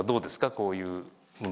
こういうのは。